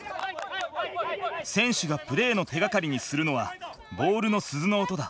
選手がプレーの手がかりにするのはボールの鈴の音だ。